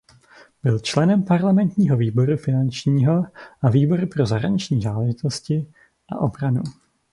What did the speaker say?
Byl členem parlamentního výboru finančního a výboru pro zahraniční záležitosti a obranu.